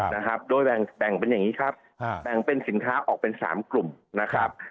นะครับโดยแบ่งแบ่งเป็นอย่างนี้ครับแบ่งเป็นสินค้าออกเป็นสามกลุ่มนะครับ